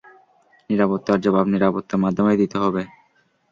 নিরাপত্তার জবাব নিরাপত্তার মাধ্যমেই দিতে হবে।